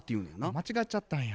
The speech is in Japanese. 間違っちゃったんや。